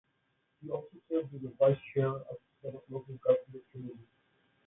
He also serves as vice chair of the Senate Local Government Committee.